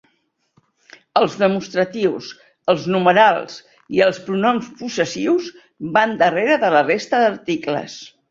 Els demostratius, els numerals i els pronoms possessius van darrere de la resta d'articles.